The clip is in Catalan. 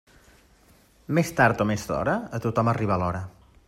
Més tard o més d'hora, a tothom arriba l'hora.